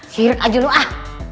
sini ajolu ah